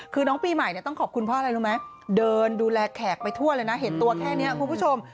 คือน้องปีใหม่ต้องขอบคุณเพราะอะไรรู้ไหมเดินดูแลแขกไปทั่วเลยนะเห็นตัวแค่นี้คุณผู้ชม